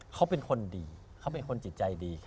เขาเป็นคนดีเขาเป็นคนจิตใจดี